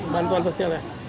bantuan sosial ya